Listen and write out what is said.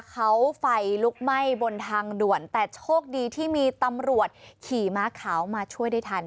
เขาไฟลุกไหม้บนทางด่วนแต่โชคดีที่มีตำรวจขี่ม้าขาวมาช่วยได้ทัน